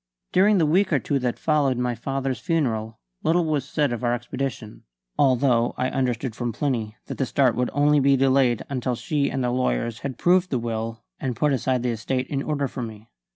During the week or two that followed my father's funeral little was said of our expedition, although I understood from Plinny that the start would only be delayed until she and the lawyers had proved the will and put his estate in order for me.